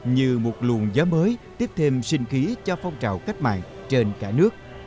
như một luồng gió mới tiếp thêm sinh khí cho phong trào cách mạng trên cả nước